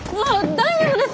大丈夫ですか？